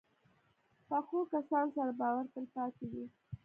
پخو کسانو سره باور تل پاتې وي